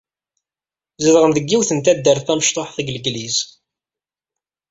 Zedɣen deg yiwet n taddart tmecṭuḥt deg Legliz.